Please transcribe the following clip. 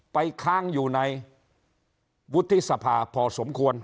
ค้างอยู่ในวุฒิสภาพอสมควร